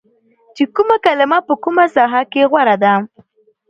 چې کومه کلمه په کومه ساحه کې غوره ده